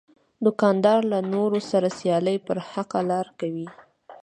دوکاندار له نورو سره سیالي پر حقه لار کوي.